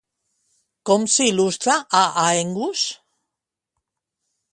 Com s'il·lustra a Aengus?